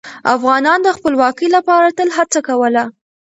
افغانان د خپلواکۍ لپاره تل هڅه کوله.